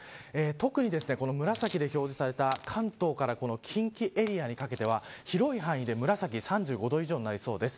特に紫で表示された関東から近畿エリアにかけては広い範囲で紫、３５度以上になりそうです。